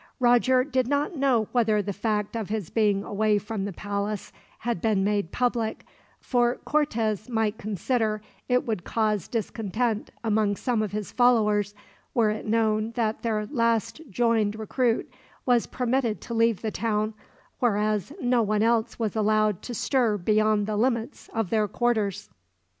Roger did not know whether the fact of his being away from the palace had been made public, for Cortez might consider it would cause discontent among some of his followers, were it known that their last joined recruit was permitted to leave the town, whereas no one else was allowed to stir beyond the limits of their quarters.